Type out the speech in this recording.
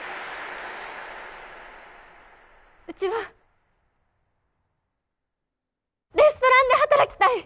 うちはレストランで働きたい！